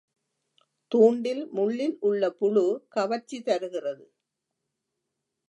தூண்டில் முள்ளில் உள்ள புழு கவர்ச்சி தருகிறது.